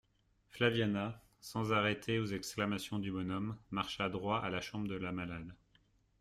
Flaviana, sans s'arrêter aux exclamations du bonhomme, marcha droit à la chambre de la malade.